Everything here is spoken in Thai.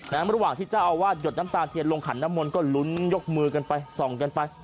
และระหว่างเจ้าอาวาสโดดน้ำตาลเทียดหลงขันน้ำมนด์ก็หลุนช่วยส่องกันไป